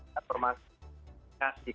dan permasalahan kasih